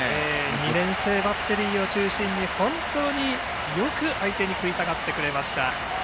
２年生バッテリーを中心に本当よく相手に食い下がりました。